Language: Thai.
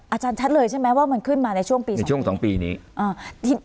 อาจารย์ชัดเลยใช่ไหมว่ามันขึ้นมาในช่วงปีนี้หรือช่วงสองปีนี้อ่า